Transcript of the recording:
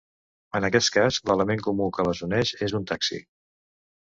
En aquest cas, l'element comú que les uneix és un taxi.